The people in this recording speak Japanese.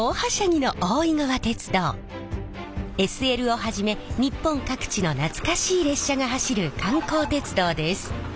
ＳＬをはじめ日本各地の懐かしい列車が走る観光鉄道です。